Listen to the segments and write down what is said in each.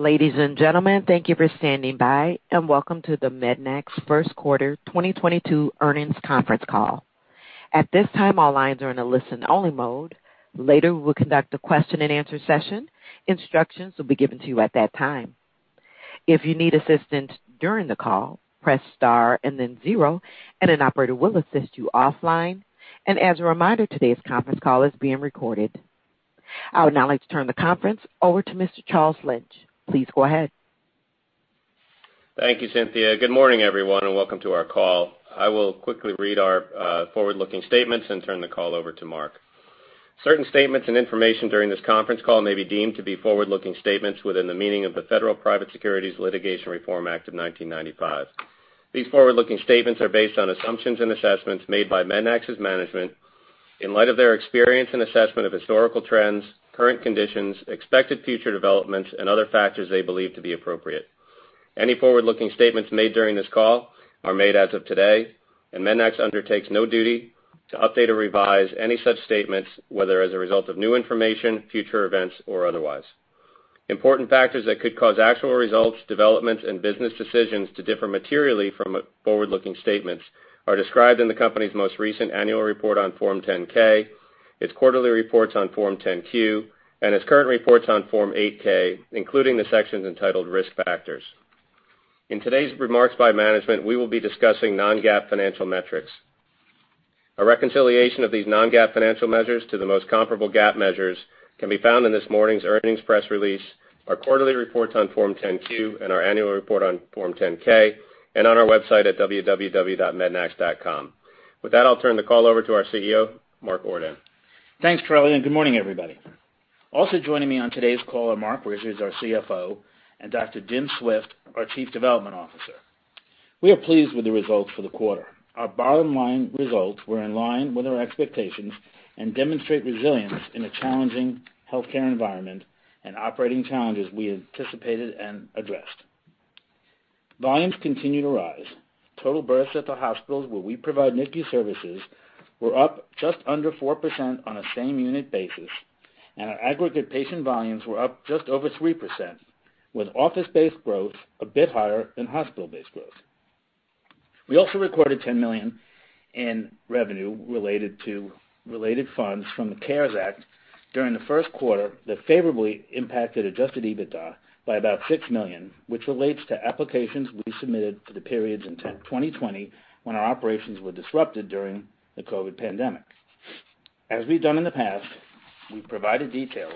Ladies and gentlemen, thank you for standing by, and welcome to the MEDNAX First Quarter 2022 Earnings Conference Call. At this time, all lines are in a listen only mode. Later, we'll conduct a question and answer session. Instructions will be given to you at that time. If you need assistance during the call, press star and then zero and an operator will assist you offline. As a reminder, today's conference call is being recorded. I would now like to turn the conference over to Mr. Charles Lynch. Please go ahead. Thank you, Cynthia. Good morning, everyone, and welcome to our call. I will quickly read our forward-looking statements and turn the call over to Mark. Certain statements and information during this conference call may be deemed to be forward-looking statements within the meaning of the Private Securities Litigation Reform Act of 1995. These forward-looking statements are based on assumptions and assessments made by Mednax's management in light of their experience and assessment of historical trends, current conditions, expected future developments, and other factors they believe to be appropriate. Any forward-looking statements made during this call are made as of today, and Mednax undertakes no duty to update or revise any such statements, whether as a result of new information, future events, or otherwise. Important factors that could cause actual results, developments, and business decisions to differ materially from forward-looking statements are described in the company's most recent annual report on Form 10-K, its quarterly reports on Form 10-Q, and its current reports on Form 8-K, including the sections entitled Risk Factors. In today's remarks by management, we will be discussing non-GAAP financial metrics. A reconciliation of these non-GAAP financial measures to the most comparable GAAP measures can be found in this morning's earnings press release, our quarterly reports on Form 10-Q, and our annual report on Form 10-K, and on our website at www.mednax.com. With that, I'll turn the call over to our CEO, Mark Ordan. Thanks, Charles, and good morning, everybody. Also joining me on today's call are Marc Richards, our CFO, and Dr. James Swift, our Chief Development Officer. We are pleased with the results for the quarter. Our bottom line results were in line with our expectations and demonstrate resilience in a challenging healthcare environment and operating challenges we anticipated and addressed. Volumes continue to rise. Total births at the hospitals where we provide NICU services were up just under 4% on a same-unit basis, and our aggregate patient volumes were up just over 3%, with office-based growth a bit higher than hospital-based growth. We also recorded $10 million in revenue related to related funds from the CARES Act during the first quarter that favorably impacted adjusted EBITDA by about $6 million, which relates to applications we submitted for the periods in 2020 when our operations were disrupted during the COVID pandemic. As we've done in the past, we provided details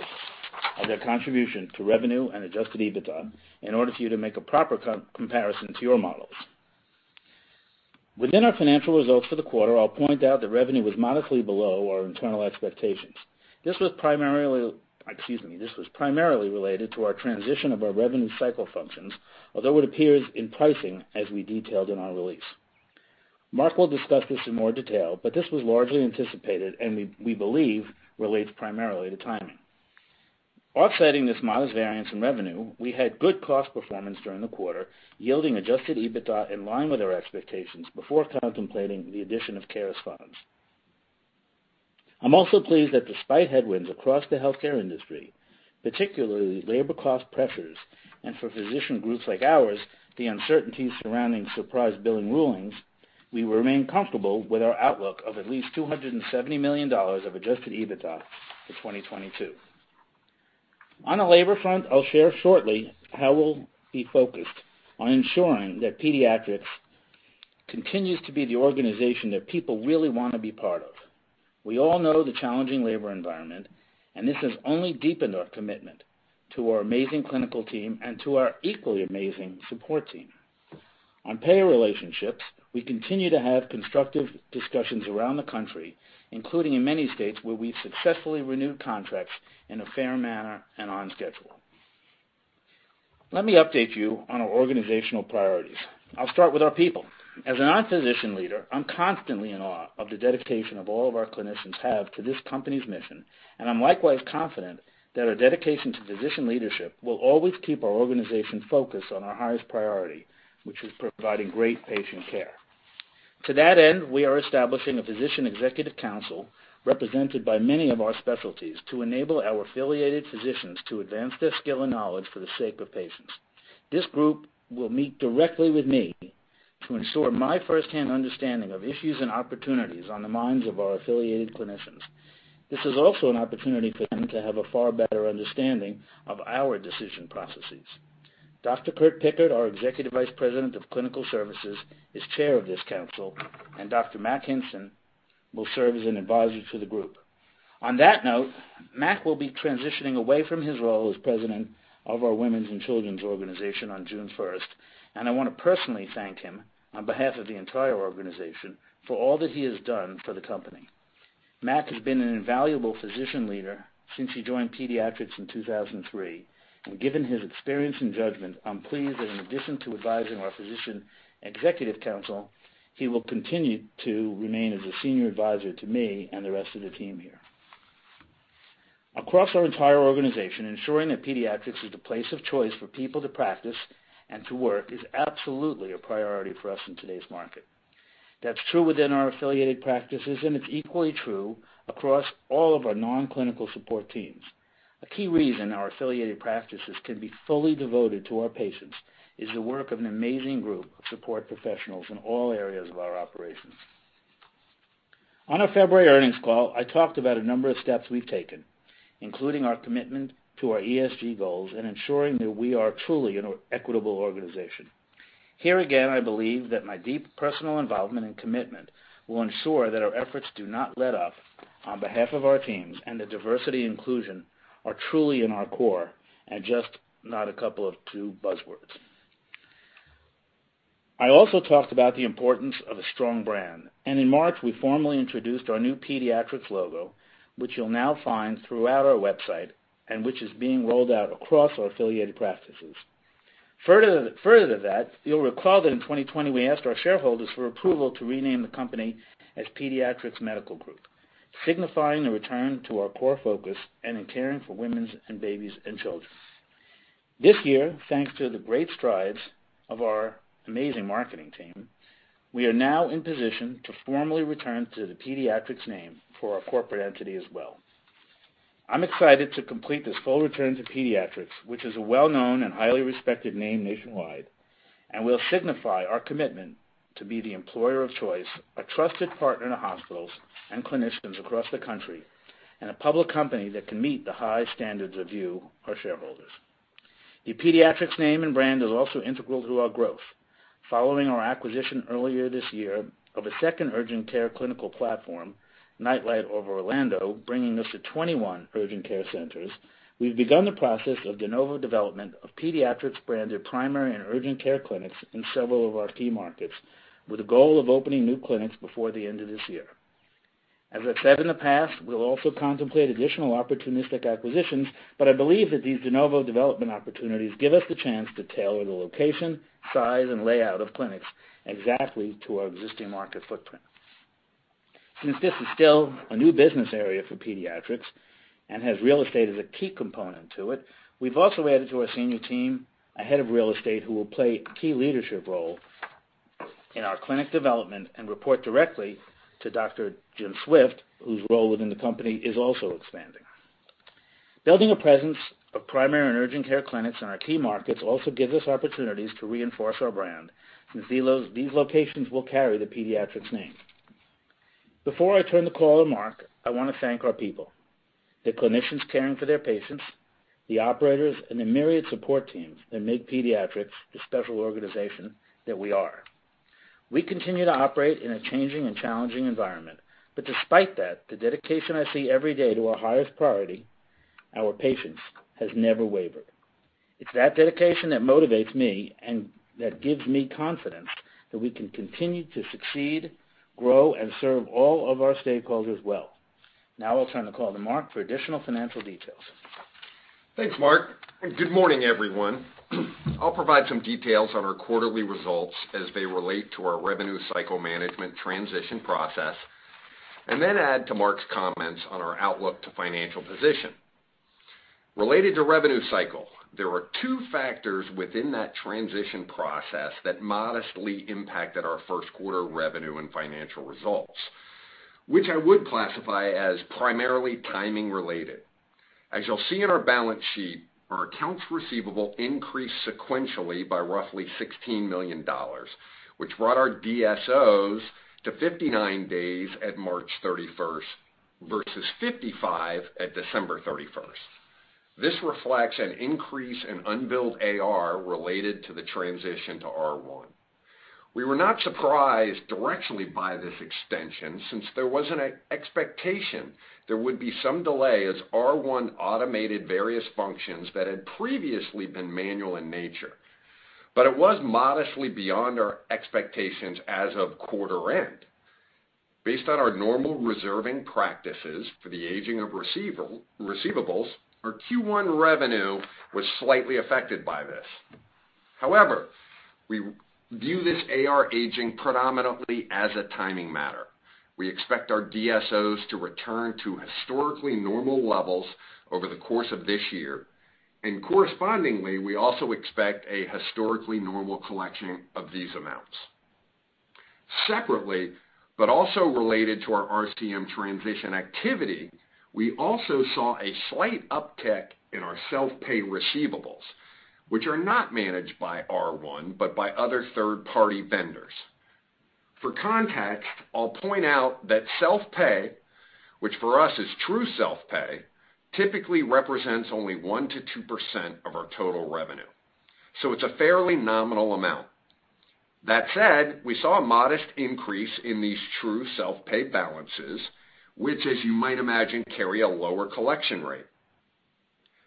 of their contribution to revenue and adjusted EBITDA in order for you to make a proper comparison to your models. Within our financial results for the quarter, I'll point out that revenue was modestly below our internal expectations. This was primarily related to our transition of our revenue cycle functions, although it appears in pricing as we detailed in our release. Mark will discuss this in more detail, but this was largely anticipated and we believe relates primarily to timing. Offsetting this modest variance in revenue, we had good cost performance during the quarter, yielding adjusted EBITDA in line with our expectations before contemplating the addition of CARES funds. I'm also pleased that despite headwinds across the healthcare industry, particularly labor cost pressures, and for physician groups like ours, the uncertainty surrounding surprise billing rulings, we remain comfortable with our outlook of at least $270 million of adjusted EBITDA for 2022. On the labor front, I'll share shortly how we'll be focused on ensuring that Pediatrix continues to be the organization that people really wanna be part of. We all know the challenging labor environment, and this has only deepened our commitment to our amazing clinical team and to our equally amazing support team. On payer relationships, we continue to have constructive discussions around the country, including in many states where we've successfully renewed contracts in a fair manner and on schedule. Let me update you on our organizational priorities. I'll start with our people. As a non-physician leader, I'm constantly in awe of the dedication of all of our clinicians to this company's mission, and I'm likewise confident that our dedication to physician leadership will always keep our organization focused on our highest priority, which is providing great patient care. To that end, we are establishing a Physician Executive Council represented by many of our specialties to enable our affiliated physicians to advance their skill and knowledge for the sake of patients. This group will meet directly with me to ensure my firsthand understanding of issues and opportunities on the minds of our affiliated clinicians. This is also an opportunity for them to have a far better understanding of our decision processes. Dr. Curtis Pickert, our Executive Vice President of Clinical Services, is chair of this council, and Dr. Roger Hinson will serve as an advisor to the group. On that note, Roger will be transitioning away from his role as president of our women's and children's organization on June first, and I wanna personally thank him on behalf of the entire organization for all that he has done for the company. Roger has been an invaluable physician leader since he joined Pediatrix in 2003, and given his experience and judgment, I'm pleased that in addition to advising our Physician Executive Council, he will continue to remain as a senior advisor to me and the rest of the team here. Across our entire organization, ensuring that Pediatrix is the place of choice for people to practice and to work is absolutely a priority for us in today's market. That's true within our affiliated practices, and it's equally true across all of our non-clinical support teams. A key reason our affiliated practices can be fully devoted to our patients is the work of an amazing group of support professionals in all areas of our operations. On our February earnings call, I talked about a number of steps we've taken, including our commitment to our ESG goals and ensuring that we are truly an equitable organization. Here again, I believe that my deep personal involvement and commitment will ensure that our efforts do not let up on behalf of our teams and that diversity and inclusion are truly in our core and just not a couple of two buzzwords. I also talked about the importance of a strong brand, and in March, we formally introduced our new Pediatrix logo, which you'll now find throughout our website and which is being rolled out across our affiliated practices. Further to that, you'll recall that in 2020 we asked our shareholders for approval to rename the company as Pediatrix Medical Group, signifying a return to our core focus and in caring for women and babies and children. This year, thanks to the great strides of our amazing marketing team, we are now in position to formally return to the Pediatrix name for our corporate entity as well. I'm excited to complete this full return to Pediatrix, which is a well-known and highly respected name nationwide, and will signify our commitment to be the employer of choice, a trusted partner to hospitals and clinicians across the country, and a public company that can meet the high standards of you, our shareholders. The Pediatrix name and brand is also integral to our growth. Following our acquisition earlier this year of a second urgent care clinical platform, NightLite Pediatrics, bringing us to 21 urgent care centers, we've begun the process of de novo development of Pediatrix-branded primary and urgent care clinics in several of our key markets, with a goal of opening new clinics before the end of this year. As I've said in the past, we'll also contemplate additional opportunistic acquisitions, but I believe that these de novo development opportunities give us the chance to tailor the location, size, and layout of clinics exactly to our existing market footprint. Since this is still a new business area for Pediatrix and has real estate as a key component to it, we've also added to our senior team a head of real estate who will play a key leadership role in our clinic development and report directly to Dr. Jim Swift, whose role within the company is also expanding. Building a presence of primary and urgent care clinics in our key markets also gives us opportunities to reinforce our brand, since these locations will carry the Pediatrix name. Before I turn the call to Mark, I want to thank our people, the clinicians caring for their patients, the operators, and the myriad support teams that make Pediatrix the special organization that we are. We continue to operate in a changing and challenging environment, but despite that, the dedication I see every day to our highest priority, our patients, has never wavered. It's that dedication that motivates me and that gives me confidence that we can continue to succeed, grow, and serve all of our stakeholders well. Now I'll turn the call to Mark for additional financial details. Thanks, Mark. Good morning, everyone. I'll provide some details on our quarterly results as they relate to our revenue cycle management transition process, and then add to Mark's comments on our outlook and financial position. Related to revenue cycle, there are two factors within that transition process that modestly impacted our first quarter revenue and financial results, which I would classify as primarily timing related. As you'll see in our balance sheet, our accounts receivable increased sequentially by roughly $16 million, which brought our DSOs to 59 days at March 31st versus 55 at December 31st. This reflects an increase in unbilled AR related to the transition to R1. We were not surprised directly by this extension since there was an expectation there would be some delay as R1 automated various functions that had previously been manual in nature. It was modestly beyond our expectations as of quarter end. Based on our normal reserving practices for the aging of receivables, our Q1 revenue was slightly affected by this. However, we view this AR aging predominantly as a timing matter. We expect our DSOs to return to historically normal levels over the course of this year, and correspondingly, we also expect a historically normal collection of these amounts. Separately, but also related to our RCM transition activity, we also saw a slight uptick in our self-pay receivables, which are not managed by R1, but by other third-party vendors. For context, I'll point out that self-pay, which for us is true self-pay, typically represents only 1%-2% of our total revenue. It's a fairly nominal amount. That said, we saw a modest increase in these true self-pay balances, which as you might imagine, carry a lower collection rate.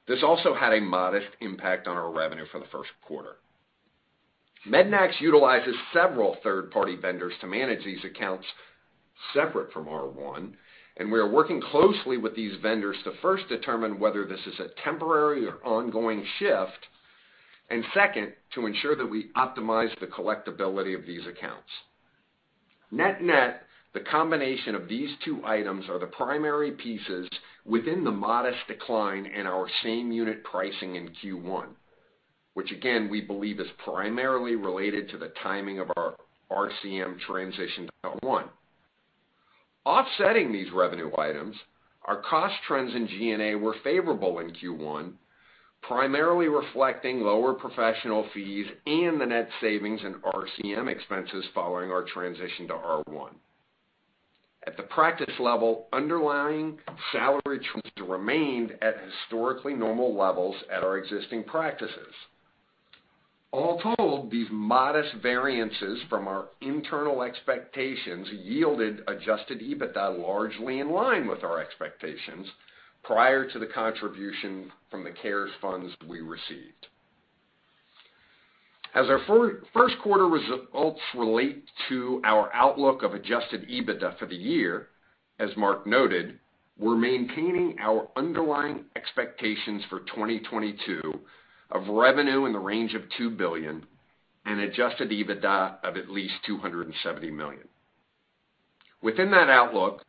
This also had a modest impact on our revenue for the first quarter. MEDNAX utilizes several third-party vendors to manage these accounts separate from R1, and we are working closely with these vendors to first determine whether this is a temporary or ongoing shift, and second, to ensure that we optimize the collectibility of these accounts. Net-net, the combination of these two items are the primary pieces within the modest decline in our same unit pricing in Q1, which again, we believe is primarily related to the timing of our RCM transition to R1. Offsetting these revenue items, our cost trends in G&A were favorable in Q1, primarily reflecting lower professional fees and the net savings in RCM expenses following our transition to R1. At the practice level, underlying salary trends remained at historically normal levels at our existing practices. All told, these modest variances from our internal expectations yielded adjusted EBITDA largely in line with our expectations prior to the contribution from the CARES funds we received. As our first quarter results relate to our outlook of adjusted EBITDA for the year, as Mark noted, we're maintaining our underlying expectations for 2022 of revenue in the range of $2 billion and adjusted EBITDA of at least $270 million. Within that outlook,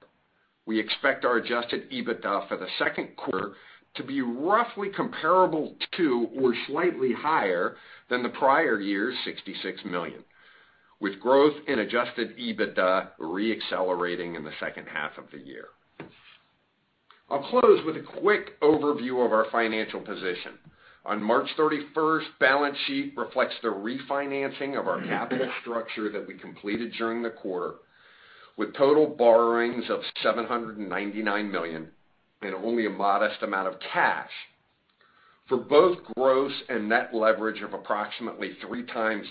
we expect our adjusted EBITDA for the second quarter to be roughly comparable to or slightly higher than the prior year's $66 million, with growth in adjusted EBITDA re-accelerating in the second half of the year. I'll close with a quick overview of our financial position. On March 31st, balance sheet reflects the refinancing of our capital structure that we completed during the quarter, with total borrowings of $799 million and only a modest amount of cash for both gross and net leverage of approximately 3x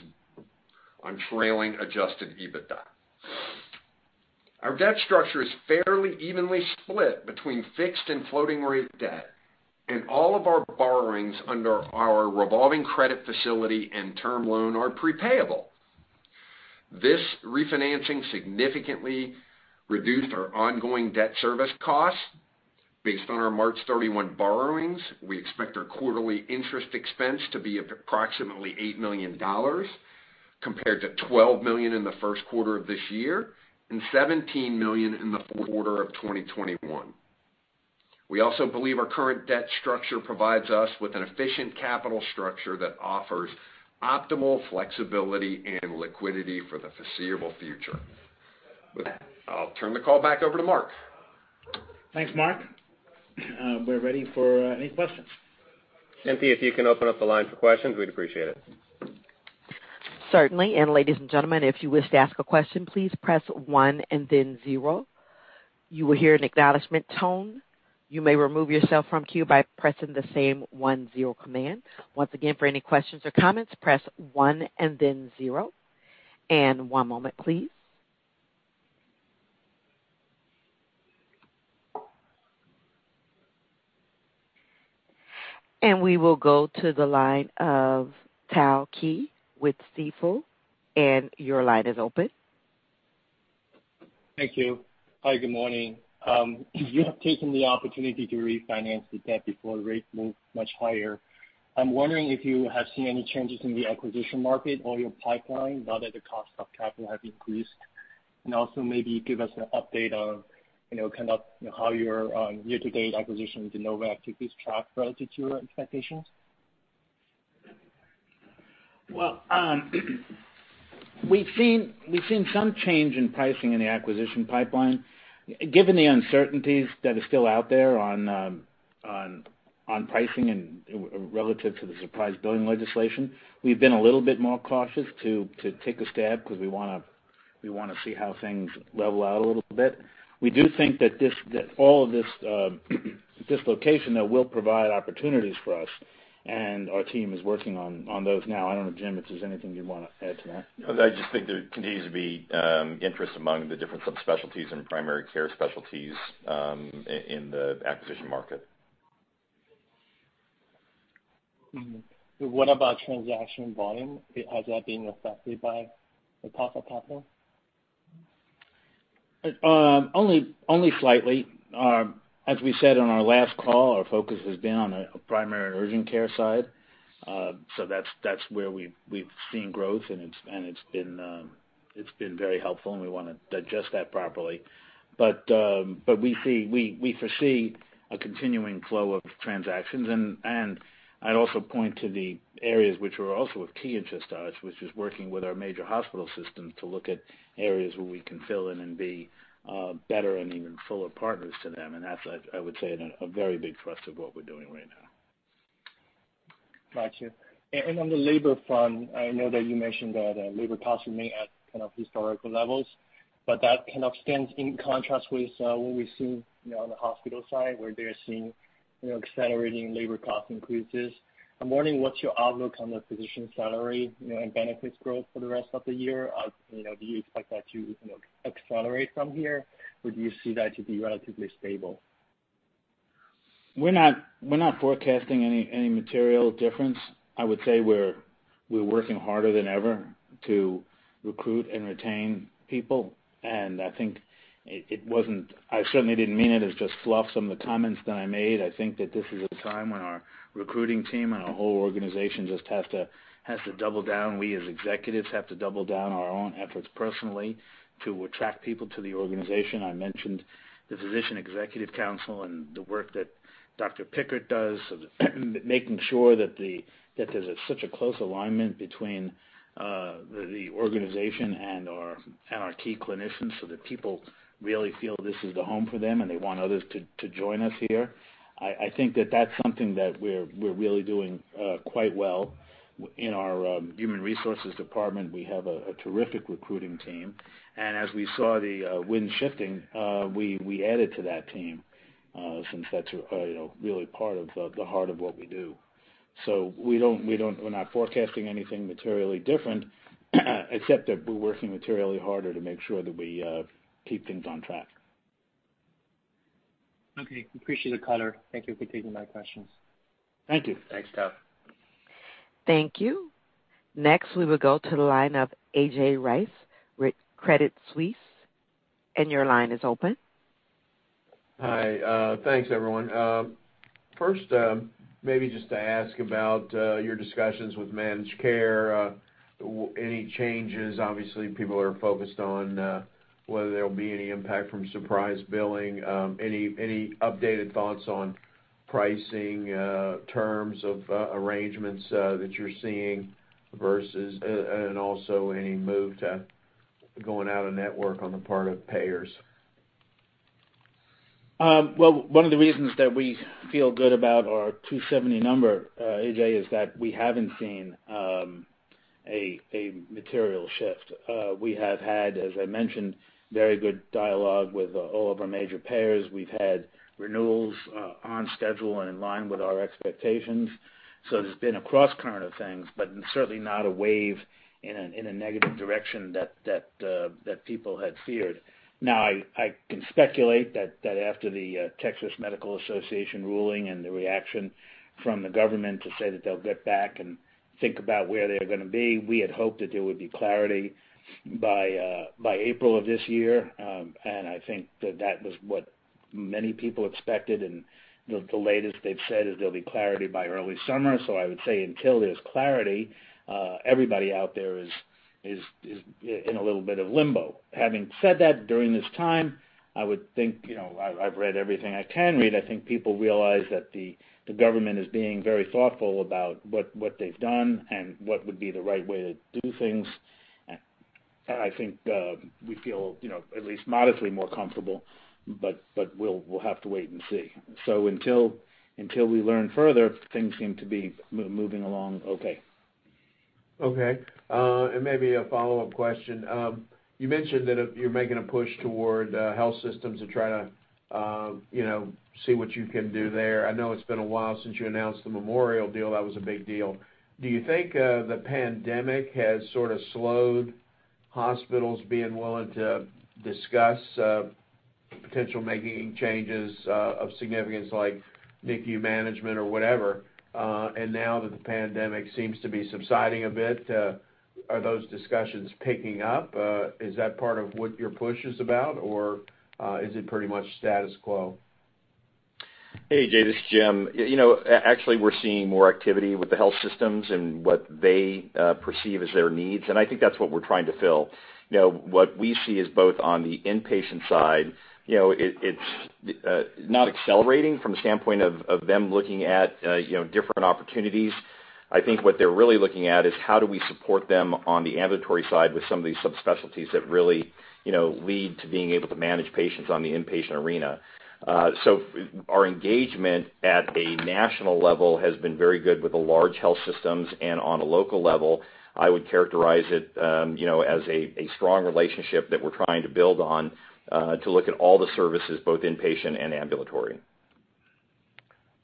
trailing adjusted EBITDA. Our debt structure is fairly evenly split between fixed and floating rate debt, and all of our borrowings under our revolving credit facility and term loan are prepayable. This refinancing significantly reduced our ongoing debt service costs. Based on our March 31 borrowings, we expect our quarterly interest expense to be approximately $8 million, compared to $12 million in the first quarter of this year and $17 million in the fourth quarter of 2021. We also believe our current debt structure provides us with an efficient capital structure that offers optimal flexibility and liquidity for the foreseeable future. With that, I'll turn the call back over to Mark. Thanks, Mark. We're ready for any questions. MP, if you can open up the line for questions, we'd appreciate it. Certainly. Ladies and gentlemen, if you wish to ask a question, please press one and then zero. You will hear an acknowledgement tone. You may remove yourself from queue by pressing the same one-zero command. Once again, for any questions or comments, press one and then zero. One moment, please. We will go to the line of Tao Qiu with Stifel, and your line is open. Thank you. Hi, good morning. You have taken the opportunity to refinance the debt before rates move much higher. I'm wondering if you have seen any changes in the acquisition market or your pipeline now that the cost of capital have increased. Also maybe give us an update on, you know, kind of how your year-to-date acquisition with de novo activities track relative to your expectations. Well, we've seen some change in pricing in the acquisition pipeline. Given the uncertainties that are still out there on pricing and relative to the surprise billing legislation, we've been a little bit more cautious to take a stab because we wanna see how things level out a little bit. We do think that all of this dislocation will provide opportunities for us, and our team is working on those now. I don't know, Jim, if there's anything you wanna add to that. No, I just think there continues to be interest among the different subspecialties and primary care specialties in the acquisition market. What about transaction volume? Has that been affected by the cost of capital? Only slightly. As we said on our last call, our focus has been on the primary urgent care side. That's where we've seen growth, and it's been very helpful, and we wanna digest that properly. We foresee a continuing flow of transactions. I'd also point to the areas which are also of key interest to us, which is working with our major hospital systems to look at areas where we can fill in and be better and even fuller partners to them. That's a very big thrust of what we're doing right now. Got you. On the labor front, I know that you mentioned that labor costs remain at kind of historical levels, but that kind of stands in contrast with what we've seen, you know, on the hospital side, where they're seeing, you know, accelerating labor cost increases. I'm wondering what's your outlook on the physician salary, you know, and benefits growth for the rest of the year. You know, do you expect that to, you know, accelerate from here, or do you see that to be relatively stable? We're not forecasting any material difference. I would say we're working harder than ever to recruit and retain people. I think it wasn't. I certainly didn't mean it as just fluff, some of the comments that I made. I think that this is a time when our recruiting team and our whole organization just has to double down. We as executives have to double down our own efforts personally to attract people to the organization. I mentioned the Physician Executive Council and the work that Dr. Pickert does of making sure that there's such a close alignment between the organization and our key clinicians so that people really feel this is the home for them, and they want others to join us here. I think that's something that we're really doing quite well. In our human resources department, we have a terrific recruiting team. As we saw the wind shifting, we added to that team since that's you know really part of the heart of what we do. We're not forecasting anything materially different, except that we're working materially harder to make sure that we keep things on track. Okay. Appreciate it, Carter. Thank you for taking my questions. Thank you. Thanks, Tom. Thank you. Next, we will go to the line of A.J. Rice with Credit Suisse. Your line is open. Hi. Thanks, everyone. First, maybe just to ask about your discussions with managed care, any changes. Obviously, people are focused on whether there'll be any impact from surprise billing. Any updated thoughts on pricing, terms of arrangements, that you're seeing versus, and also any move to going out-of-network on the part of payers? Well, one of the reasons that we feel good about our $270 number, A.J., is that we haven't seen a material shift. We have had, as I mentioned, very good dialogue with all of our major payers. We've had renewals on schedule and in line with our expectations. There's been a cross-current of things, but certainly not a wave in a negative direction that people had feared. I can speculate that after the Texas Medical Association ruling and the reaction from the government to say that they'll get back and think about where they're gonna be, we had hoped that there would be clarity by April of this year. I think that was what many people expected, and the latest they've said is there'll be clarity by early summer. I would say until there's clarity, everybody out there is in a little bit of limbo. Having said that, during this time, I would think, you know, I've read everything I can read. I think people realize that the government is being very thoughtful about what they've done and what would be the right way to do things. I think we feel, you know, at least modestly more comfortable, but we'll have to wait and see. Until we learn further, things seem to be moving along okay. Okay. Maybe a follow-up question. You mentioned that you're making a push toward health systems to try to you know see what you can do there. I know it's been a while since you announced the Memorial deal. That was a big deal. Do you think the pandemic has sort of slowed hospitals being willing to discuss potential making changes of significance like NICU management or whatever? Now that the pandemic seems to be subsiding a bit, are those discussions picking up? Is that part of what your push is about, or is it pretty much status quo? Hey, A.J., this is Jim. You know, actually, we're seeing more activity with the health systems and what they perceive as their needs, and I think that's what we're trying to fill. You know, what we see is both on the inpatient side, you know, it's not accelerating from the standpoint of them looking at different opportunities. I think what they're really looking at is how do we support them on the ambulatory side with some of these subspecialties that really, you know, lead to being able to manage patients on the inpatient arena. Our engagement at a national level has been very good with the large health systems, and on a local level, I would characterize it, you know, as a strong relationship that we're trying to build on, to look at all the services, both inpatient and ambulatory.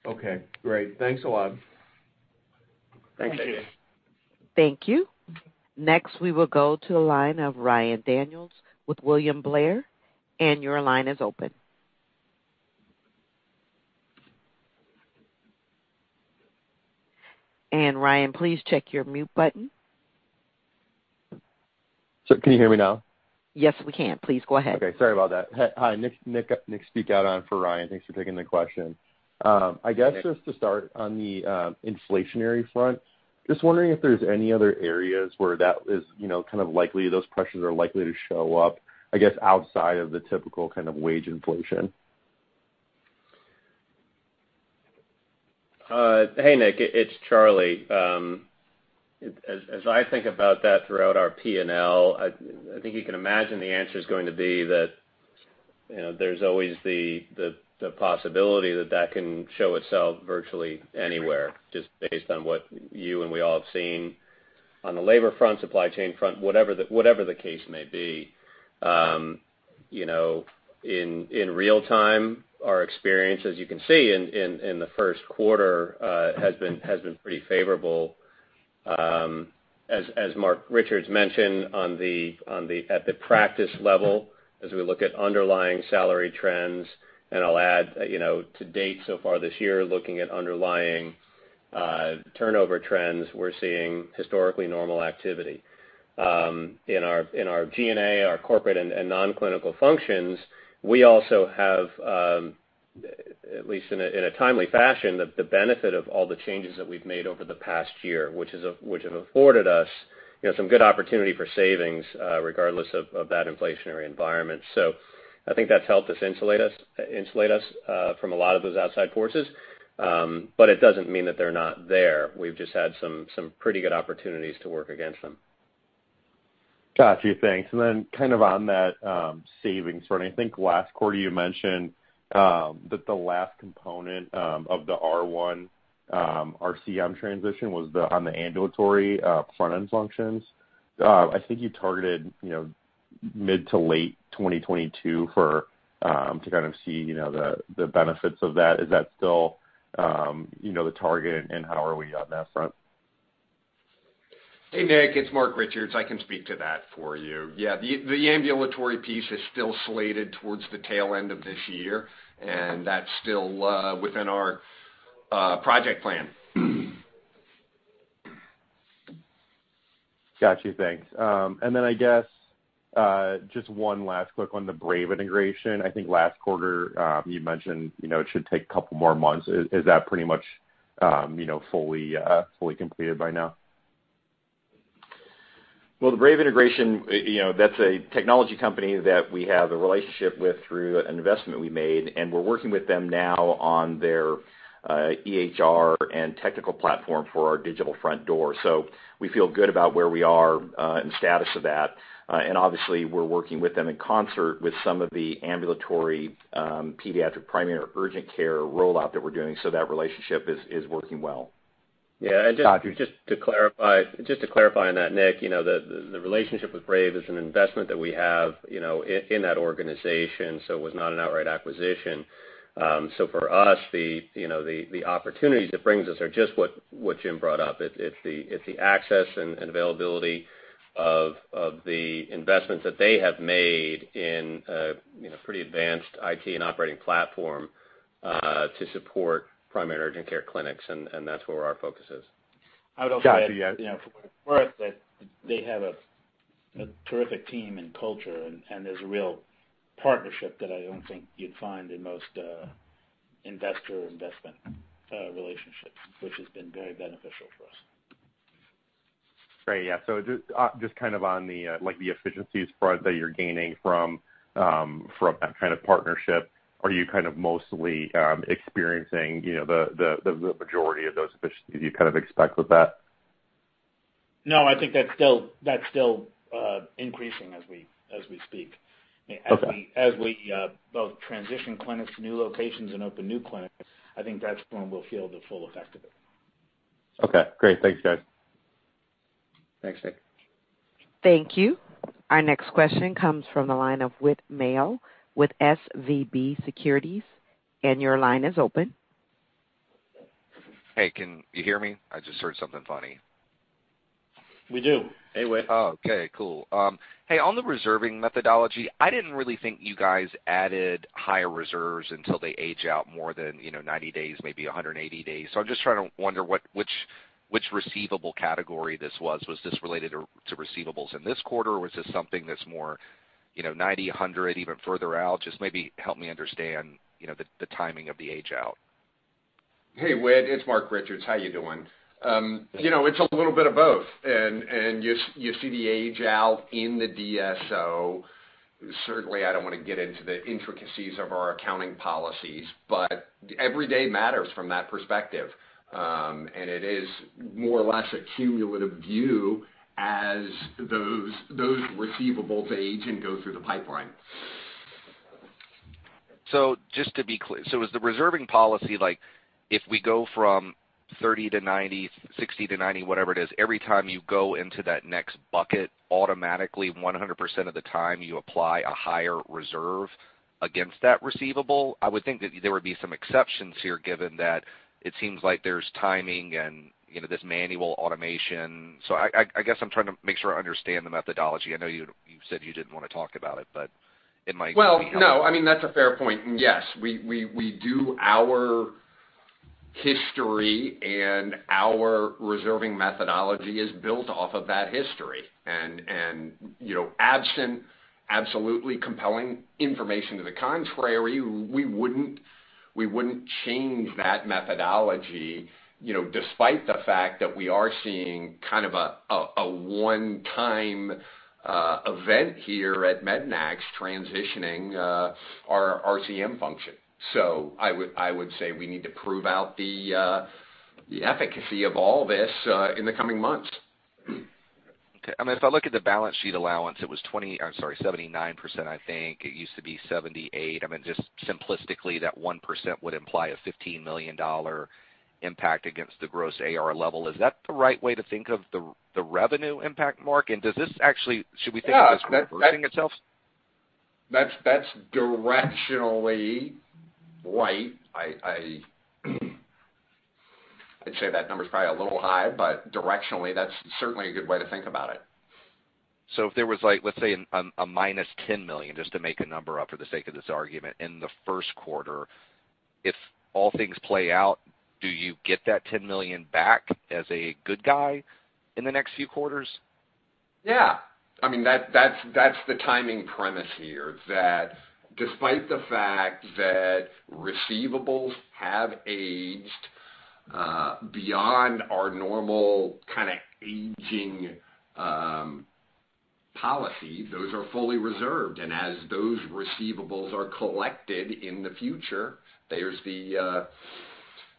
Okay, great. Thanks a lot. Thanks, A.J. Thank you. Thank you. Next, we will go to the line of Ryan Daniels with William Blair, and your line is open. Ryan, please check your mute button. Can you hear me now? Yes, we can. Please go ahead. Okay, sorry about that. Hi. Nick Nocito for Ryan. Thanks for taking the question. I guess just to start on the inflationary front, just wondering if there's any other areas where that is, you know, kind of likely, those pressures are likely to show up, I guess, outside of the typical kind of wage inflation. Hey, Nick. It's Charlie. As I think about that throughout our P&L, I think you can imagine the answer is going to be that, you know, there's always the possibility that that can show itself virtually anywhere just based on what you and we all have seen. On the labor front, supply chain front, whatever the case may be, you know, in real time, our experience, as you can see in the first quarter, has been pretty favorable. As Marc Richards mentioned at the practice level as we look at underlying salary trends, and I'll add, you know, to date so far this year, looking at underlying turnover trends, we're seeing historically normal activity. In our G&A, our corporate and non-clinical functions, we also have at least in a timely fashion the benefit of all the changes that we've made over the past year, which have afforded us, you know, some good opportunity for savings, regardless of that inflationary environment. I think that's helped us insulate us from a lot of those outside forces. It doesn't mean that they're not there. We've just had some pretty good opportunities to work against them. Got you. Thanks. Kind of on that, savings front, I think last quarter you mentioned that the last component of the R1 RCM transition was on the ambulatory front-end functions. I think you targeted, you know, mid- to late 2022 for to kind of see, you know, the benefits of that. Is that still, you know, the target, and how are we on that front? Hey, Nick, it's Marc Richards. I can speak to that for you. Yeah, the ambulatory piece is still slated towards the tail end of this year, and that's still within our project plan. Got you. Thanks. I guess just one last quick one. The Brave integration, I think last quarter, you mentioned, you know, it should take a couple more months. Is that pretty much, you know, fully completed by now? Well, the Brave integration, you know, that's a technology company that we have a relationship with through an investment we made, and we're working with them now on their EHR and technical platform for our digital front door. We feel good about where we are and the status of that. Obviously, we're working with them in concert with some of the ambulatory pediatric primary urgent care rollout that we're doing, so that relationship is working well. Yeah. Got you. Just to clarify on that, Nick, you know, the relationship with Brave is an investment that we have, you know, in that organization, so it was not an outright acquisition. So for us, you know, the opportunities it brings us are just what Jim brought up. It's the access and availability of the investments that they have made in a, you know, pretty advanced IT and operating platform to support primary urgent care clinics, and that's where our focus is. I would also add. Got you. Yeah You know, for us, that they have a terrific team and culture, and there's a real partnership that I don't think you'd find in most investment relationships, which has been very beneficial for us. Great. Yeah. Just kind of on the, like, the efficiencies front that you're gaining from that kind of partnership. Are you kind of mostly experiencing, you know, the majority of those efficiencies you kind of expect with that? No, I think that's still increasing as we speak. Okay. As we both transition clinics to new locations and open new clinics, I think that's when we'll feel the full effect of it. Okay, great. Thanks, guys. Thanks, Nick. Thank you. Our next question comes from the line of Whit Mayo with SVB Securities, and your line is open. Hey, can you hear me? I just heard something funny. We do. Hey, Whit. Oh, okay, cool. Hey, on the reserving methodology, I didn't really think you guys added higher reserves until they age out more than, you know, 90 days, maybe 180 days. I'm just trying to wonder which receivable category this was. Was this related to receivables in this quarter, or was this something that's more, you know, 90 days, 100 days, even further out? Just maybe help me understand, you know, the timing of the age out. Hey, Whit, it's Marc Richards. How you doing? You know, it's a little bit of both. You see the age out in the DSO. Certainly, I don't wanna get into the intricacies of our accounting policies, but every day matters from that perspective. It is more or less a cumulative view as those receivables age and go through the pipeline. Just to be clear, so is the reserving policy, like if we go from 30-90 days, 60-90 days, whatever it is, every time you go into that next bucket, automatically 100% of the time you apply a higher reserve against that receivable? I would think that there would be some exceptions here given that it seems like there's timing and, you know, this manual automation. I guess I'm trying to make sure I understand the methodology. I know you said you didn't wanna talk about it, but it might be helpful. Well, no, I mean, that's a fair point. Yes, we use our history and our reserving methodology is built off of that history. You know, absent absolutely compelling information to the contrary, we wouldn't change that methodology, you know, despite the fact that we are seeing kind of a one-time event here at MEDNAX transitioning our RCM function. I would say we need to prove out the efficacy of all this in the coming months. Okay. I mean, if I look at the balance sheet allowance, it was 79% I think. It used to be 78%. I mean, just simplistically, that 1% would imply a $15 million impact against the gross AR level. Is that the right way to think of the revenue impact, Mark? Should we think of this reversing itself? That's directionally right. I'd say that number's probably a little high, but directionally that's certainly a good way to think about it. If there was like, let's say, a -$10 million, just to make a number up for the sake of this argument, in the first quarter, if all things play out, do you get that $10 million back as a good guy in the next few quarters? Yeah. I mean, that's the timing premise here, that despite the fact that receivables have aged beyond our normal kinda aging policy, those are fully reserved. As those receivables are collected in the future, there's the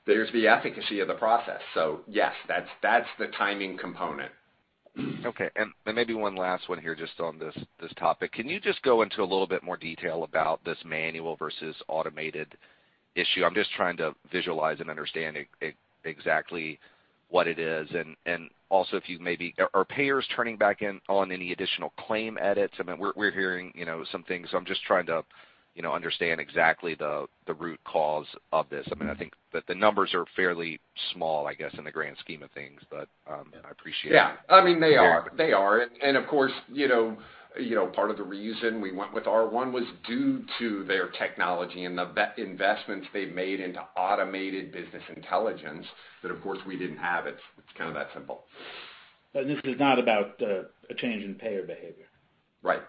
efficacy of the process. Yes, that's the timing component. Okay, maybe one last one here just on this topic. Can you just go into a little bit more detail about this manual versus automated issue? I'm just trying to visualize and understand exactly what it is. Also, if payers are turning back on any additional claim edits? I mean, we're hearing, you know, some things. I'm just trying to, you know, understand exactly the root cause of this. I mean, I think that the numbers are fairly small, I guess, in the grand scheme of things, but I appreciate it. Yeah. I mean, they are. Of course, you know, part of the reason we went with R1 was due to their technology and the investments they've made into automated business intelligence that of course we didn't have. It's kind of that simple. This is not about a change in payer behavior. Right.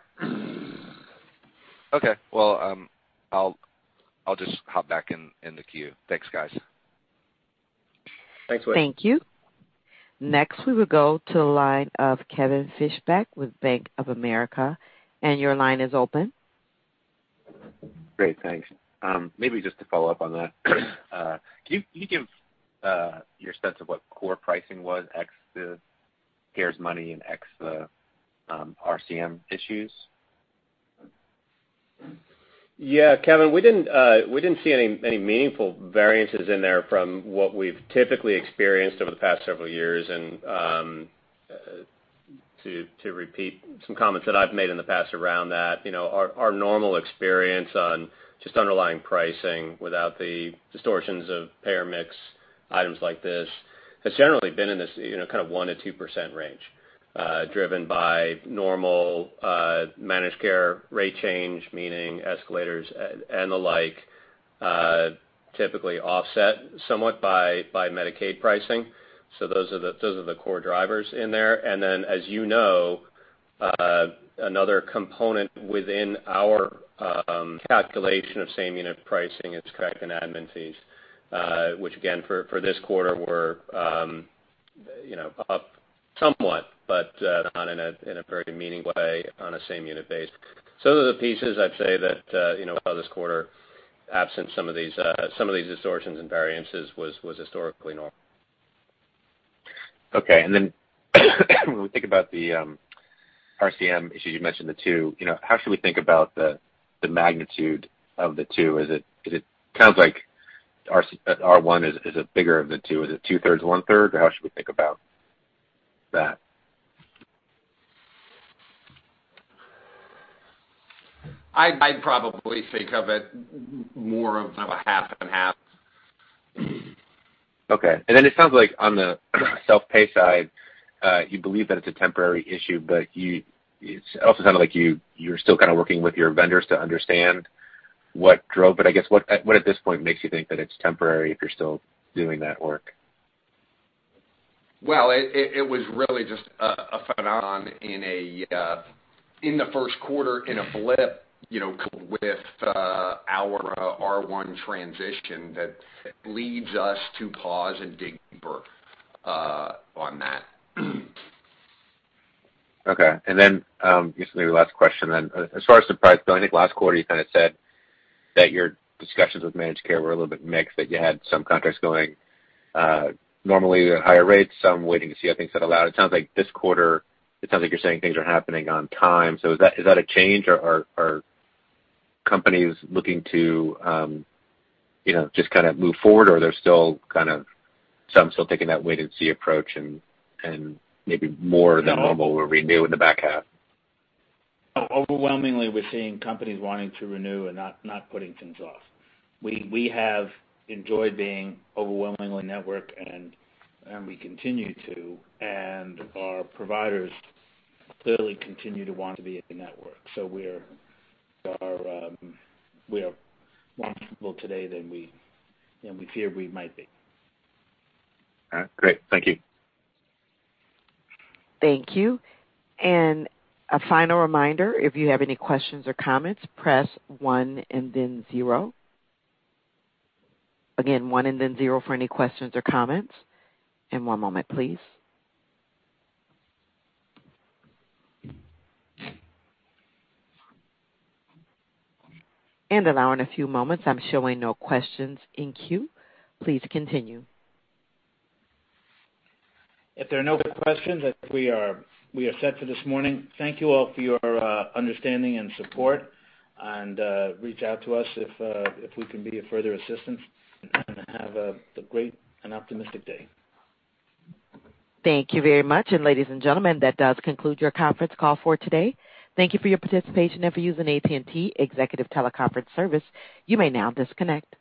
Okay. Well, I'll just hop back in the queue. Thanks, guys. Thanks, Whit Mayo. Thank you. Next, we will go to the line of Kevin Fischbeck with Bank of America. Your line is open. Great. Thanks. Maybe just to follow up on that. Can you give your sense of what core pricing was ex the CARES money and ex the RCM issues? Yeah, Kevin, we didn't see any meaningful variances in there from what we've typically experienced over the past several years. To repeat some comments that I've made in the past around that, you know, our normal experience on just underlying pricing without the distortions of payer mix items like this has generally been in this you know kind of 1%-2% range, driven by normal managed care rate change, meaning escalators and the like, typically offset somewhat by Medicaid pricing. Those are the core drivers in there. As you know, another component within our calculation of same-unit pricing is contract and admin fees, which again, for this quarter were, you know, up somewhat, but not in a very meaningful way on a same-unit basis. Those are the pieces I'd say that, you know, this quarter, absent some of these distortions and variances, was historically normal. Okay. Then when we think about the RCM issue, you mentioned the two. You know, how should we think about the magnitude of the two? It sounds like R1 is the bigger of the two. Is it 2/3, 1/3? How should we think about that? I'd probably think of it more of a half and half. Okay. It sounds like on the self-pay side, you believe that it's a temporary issue, but it also sounded like you're still kinda working with your vendors to understand what drove it. I guess what at this point makes you think that it's temporary if you're still doing that work? Well, it was really just a phenomenon in the first quarter in a blip, you know, with our R1 transition that leads us to pause and dig deeper on that. Okay. Just maybe last question. As far as the surprise bill, I think last quarter, you kinda said that your discussions with managed care were a little bit mixed, that you had some contracts going, normally higher rates, some waiting to see how things had played out. It sounds like this quarter, it sounds like you're saying things are happening on time. Is that a change? Or are companies looking to, you know, just kinda move forward, or are there still kind of some taking that wait-and-see approach and maybe more than normal will renew in the back half? Overwhelmingly, we're seeing companies wanting to renew and not putting things off. We have enjoyed being in network and our providers clearly continue to want to be in the network. We are more comfortable today than we feared we might be. All right. Great. Thank you. Thank you. A final reminder, if you have any questions or comments, press one and then zero. Again, one and then zero for any questions or comments. One moment, please. Allow in a few moments. I'm showing no questions in queue. Please continue. If there are no further questions, then we are set for this morning. Thank you all for your understanding and support. Reach out to us if we can be of further assistance, and have a great and optimistic day. Thank you very much. Ladies and gentlemen, that does conclude your conference call for today. Thank you for your participation and for using AT&T Executive Teleconference Service. You may now disconnect.